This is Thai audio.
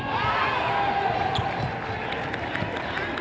สวัสดีครับ